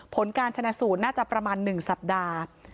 ผลการชนะสูตรน่าจะประมาณ๑สัปดาห์